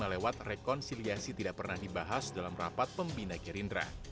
lima ribu lima ratus empat puluh lima lewat rekonsiliasi tidak pernah dibahas dalam rapat pembina gerindra